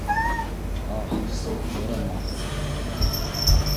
Ах! һорамағыҙ!